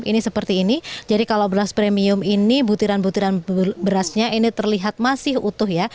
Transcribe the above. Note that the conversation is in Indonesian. ini seperti ini jadi kalau beras premium ini butiran butiran berasnya ini terlihat masih utuh ya